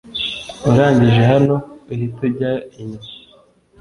urangije hano uhite ujya inyuma.